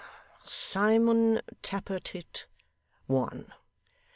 Simon Tappertit. One."